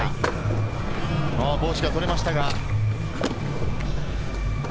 帽子が取れましたが。